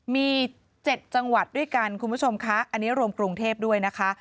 มี๗จังหวัดด้วยกันคุณผู้ชมคะอันนี้รวมกรุงเทพด้วยนะคะ